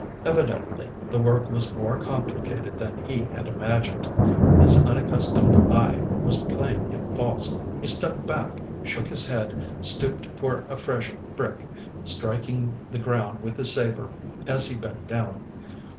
Evidently the work was more complicated than he had imagined. His unaccustomed eye was playing him false; he stepped back, shook his head, stooped for a fresh brick, striking the ground with his sabre as he bent down.